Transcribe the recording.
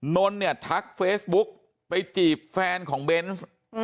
นนท์เนี่ยทักเฟซบุ๊กไปจีบแฟนของเบนส์